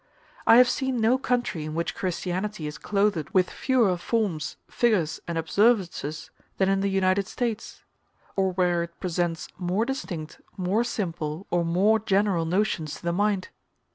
I have seen no country in which Christianity is clothed with fewer forms, figures, and observances than in the United States; or where it presents more distinct, more simple, or more general notions to the mind.